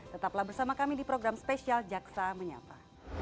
tetaplah bersama kami di program spesial jaksa menyapa